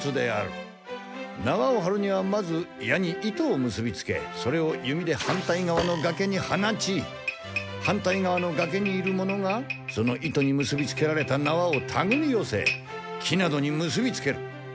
縄をはるにはまず矢に糸をむすびつけそれを弓で反対がわのがけに放ち反対がわのがけにいる者がその糸にむすびつけられた縄をたぐりよせ木などにむすびつける。